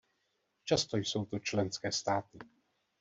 Často jsou to členské státy.